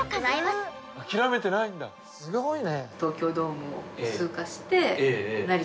すごいね。